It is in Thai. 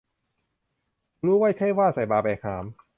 รู้ไว้ใช่ว่า ใส่บ่าแบกหาม